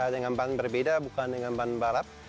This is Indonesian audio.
dengan ban berbeda bukan dengan ban balap